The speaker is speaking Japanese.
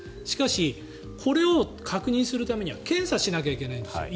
しかし、これを確認するためには検査しなきゃいけないんです。